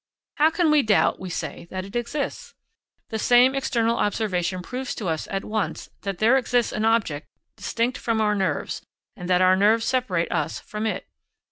How can we doubt, we say, that it exists? The same external observation proves to us at once that there exists an object distinct from our nerves, and that our nerves separate us from it.